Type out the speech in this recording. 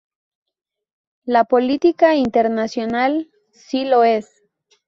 La política internacional si lo es".